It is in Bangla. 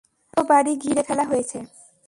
পুরো বাড়ি ঘিরে ফেলা হয়েছে।